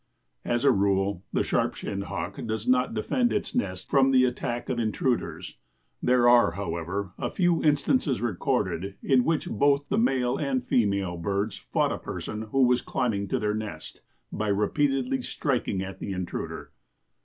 As a rule the Sharp shinned Hawk does not defend its nest from the attack of intruders. There are, however, a few instances recorded in which both the male and female birds fought a person who was climbing to their nest, by repeatedly striking at the intruder.